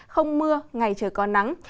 không mưa ngày trời có nắng